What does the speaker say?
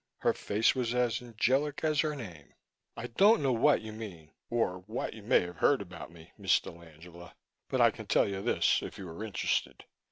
Her face was as angelic as her name. "I don't know what you mean or what you may have heard about me, Miss dell'Angela, but I can tell you this, if you are interested.